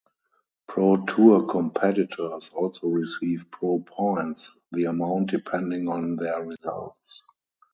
Pro Tour competitors also receive Pro Points, the amount depending on their results.